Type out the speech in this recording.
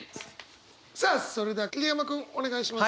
さあそれでは桐山君お願いします。